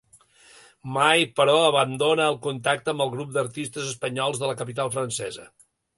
Mai, però, abandona el contacte amb el grup d'artistes espanyols de la capital francesa.